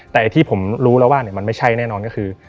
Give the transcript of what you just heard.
แต่ที่ผมรู้แล้วว่ามันไม่ใช่แน่นอนก็คือ